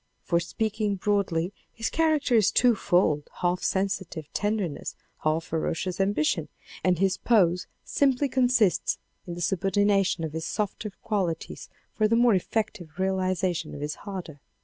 For speaking broadly his character is two fold, half sensitive tender ness, half ferocious ambition, and his pose simply con sists in the subordination of his softer qualities for the more effective realization of his harder.